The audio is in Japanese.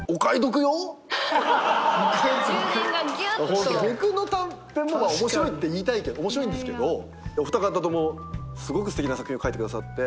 ホント僕の短編面白いって言いたい面白いんですけどお二方ともすごくすてきな作品を書いてくださって。